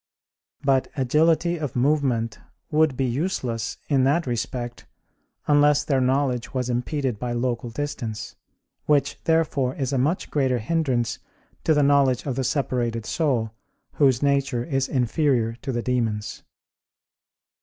But agility of movement would be useless in that respect unless their knowledge was impeded by local distance; which, therefore, is a much greater hindrance to the knowledge of the separated soul, whose nature is inferior to the demon's.